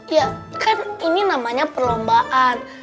ya kan ini namanya perlombaan